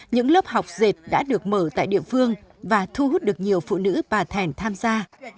những lớp học dệt đã được mở tại địa phương và thu hút được nhiều phụ nữ bà thẻn tham gia